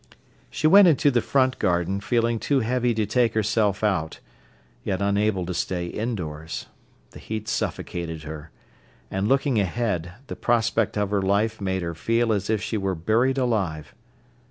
She went into the front garden, feeling too heavy to take herself out, yet unable to stay indoors. The heat suffocated her. And looking ahead, the prospect of her life made her feel as if she were buried alive.